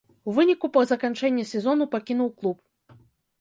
У выніку па заканчэнні сезону пакінуў клуб.